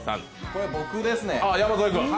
これ僕ですね。